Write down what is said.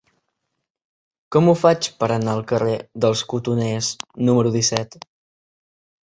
Com ho faig per anar al carrer dels Cotoners número disset?